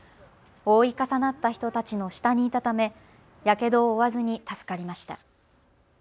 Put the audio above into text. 覆い重なった人たちの下にいたためやけどを負わずに助かりました。